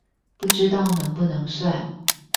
不知道能不能算